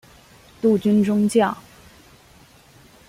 陆军中将。